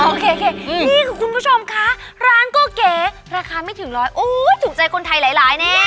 อ๋อโอเคนี่คุณผู้ชมคะร้านโกะแก่ราคาไม่ถึงร้อยตรงใจคนไทยหลายเนี่ย